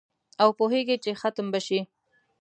او پوهیږي چي ختم به شي